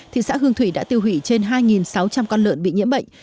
thị xã hương thủy đã tiêu hủy trên hai sáu trăm linh con lợn bị nhiễm bệnh